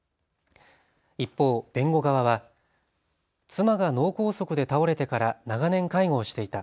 一方、弁護側は妻が脳梗塞で倒れてから長年、介護をしていた。